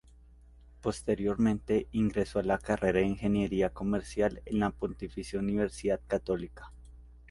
Posteriormente ingresó a la carrera de ingeniería comercial en la Pontificia Universidad Católica.